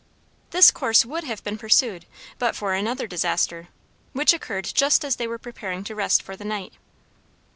This course would have been pursued, but for another disaster, which occurred just as they were preparing to rest for the night.